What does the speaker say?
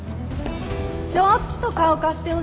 ちょっと顔貸してほしいんだけど。